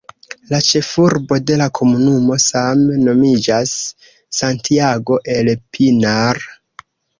La ĉefurbo de la komunumo same nomiĝas "Santiago el Pinar".